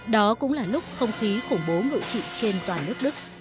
đó cũng là lúc không khí khủng bố ngự trị trên toàn nước đức